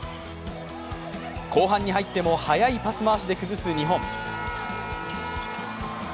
後半に入っても速いパス回しで崩す日本。